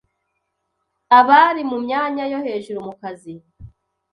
abari mu myanya yo hejuru mu kazi,